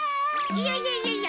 いやいやいやいや。